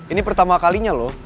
ini pertama kalinya lo